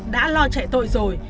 đã lo chạy tội rồi